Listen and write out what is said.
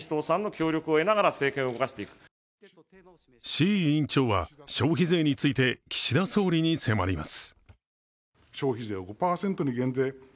志位委員長は消費税について岸田総理に迫ります。